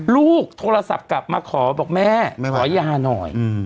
ลูกโทรศัพท์กลับมาขอบอกแม่ขอยาหน่อย